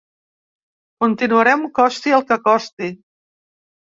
Continuarem, costi el que costi!